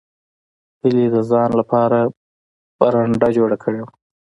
هیلې د ځان لپاره برنډه جوړه کړې وه